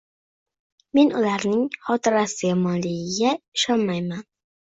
Men ularning xotirasi yomonligiga ishonmayman